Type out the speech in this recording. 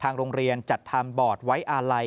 โรงเรียนจัดทำบอร์ดไว้อาลัย